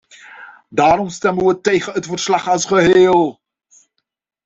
Daarom stemmen wij tegen het verslag als geheel.